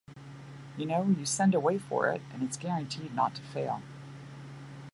You know, you send away for it and it's guaranteed not to fail.